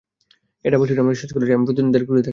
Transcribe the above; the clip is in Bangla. এই ডাবল শিফট আমাকে শেষ করেছে, আমি প্রতিদিন দেরি করে থাকি।